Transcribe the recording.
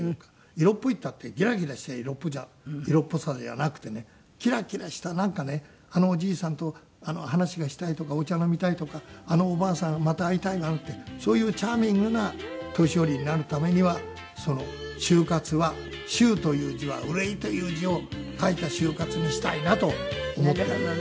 色っぽいっていったってギラギラしている色っぽさではなくてねキラキラしたなんかねあのおじいさんと話がしたいとかお茶飲みたいとかあのおばあさんまた会いたいなんてそういうチャーミングな年寄りになるためには「終活」は「終」という字は「愁い」という字を書いた「愁活」にしたいなと。